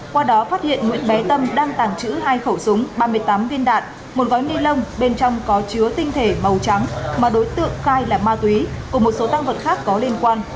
qua đó phát hiện nguyễn bé tâm đang tàng trữ hai khẩu súng ba mươi tám viên đạn một gói ni lông bên trong có chứa tinh thể màu trắng mà đối tượng khai là ma túy cùng một số tăng vật khác có liên quan